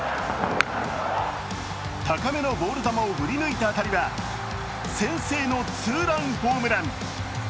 高めのボール球を振り抜いた当たりは先制のツーランホームラン。